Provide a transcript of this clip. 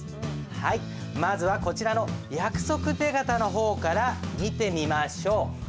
まずはこちらの約束手形の方から見てみましょう。